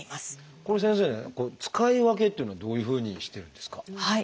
これ先生ね使い分けっていうのはどういうふうにしてるんですか？